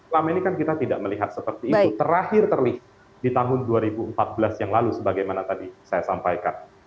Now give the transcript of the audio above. selama ini kan kita tidak melihat seperti itu terakhir terlihat di tahun dua ribu empat belas yang lalu sebagaimana tadi saya sampaikan